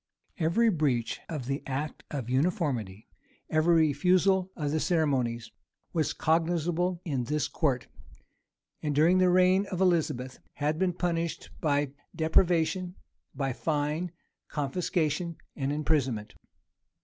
Every breach of the act of uniformity, every refusal of the ceremonies, was cognizable in this court; and, during the reign of Elizabeth, had been punished by deprivation, by fine, confiscation, and imprisonment.